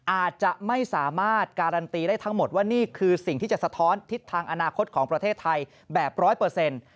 อาจจะไม่สามารถการันตีได้ทั้งหมดว่านี่คือสิ่งที่จะสะท้อนทิศทางอนาคตของประเทศไทยแบบร้อยเปอร์เซ็นต์